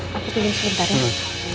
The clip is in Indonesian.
aku tidur sebentar ya